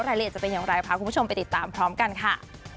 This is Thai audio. รายละเอียดจะเป็นอย่างไรพาคุณผู้ชมไปติดตามพร้อมกันค่ะ